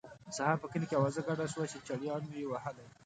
سهار په کلي کې اوازه ګډه شوه چې چړیانو یې وهلی.